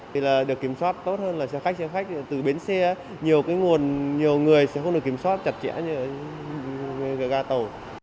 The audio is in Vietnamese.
thì là được kiểm soát tốt hơn là xe khách xe khách từ bến xe nhiều cái nguồn nhiều người sẽ không được kiểm soát chặt chẽ như ở ga tàu